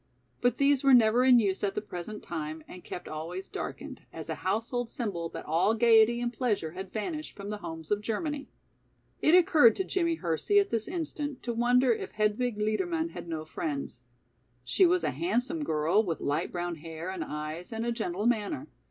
But these were never in use at the present time and kept always darkened, as a household symbol that all gayety and pleasure had vanished from the homes of Germany. It occurred to Jimmie Hersey at this instant to wonder if Hedwig Liedermann had no friends. She was a handsome girl with light brown hair and eyes and a gentle manner.